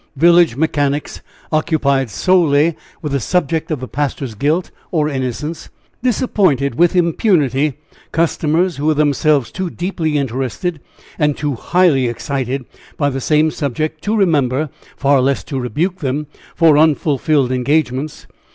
Village mechanics, occupied solely with the subject of the pastor's guilt or innocence, disappointed with impunity customers who were themselves too deeply interested and too highly excited by the same subject, to remember, far less to rebuke them, for unfulfilled engagements.